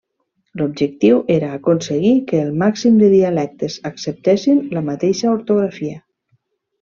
L'objectiu era aconseguir que el màxim de dialectes acceptessin la mateixa ortografia.